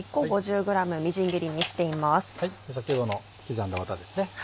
先ほどの刻んだワタです。